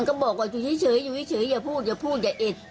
ก็บอกว่าอยู่เฉยอยู่เฉยอย่าพูดอย่าพูดอย่าเอ็ด